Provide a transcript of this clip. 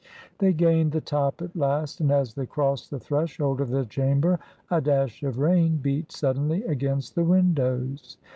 They gained the top at last, and as they crossed the threshold of the chamber a dash of rain beat suddenly against the windows.